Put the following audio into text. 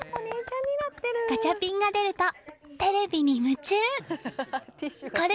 ガチャピンが出るとテレビに夢中。